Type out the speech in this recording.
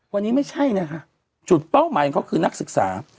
วันนี้ไม่ใช่นะคะจุดเป้าหมายของเขาคือนักศึกษา